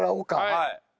はい。